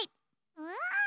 うわ！